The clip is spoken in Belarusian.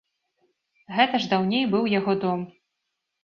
Гэта ж даўней быў яго дом.